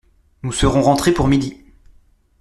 Nous serons rentrées pour midi!